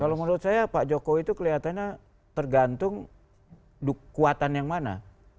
kalau menurut saya pak jokowi itu kelihatannya tergantung kuatan yang mana